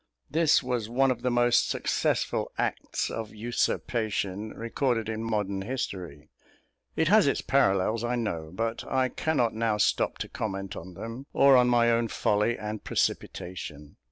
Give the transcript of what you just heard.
This was one of the most successful acts of usurpation recorded in modern history. It has its parallels, I know; but I cannot now stop to comment on them, or on my own folly and precipitation.